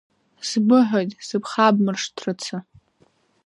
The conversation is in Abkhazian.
Сбыҳәоит сыбхабмыршҭрацы.